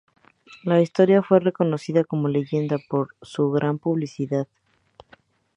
La historia fue reconocida como leyenda por su gran publicidad.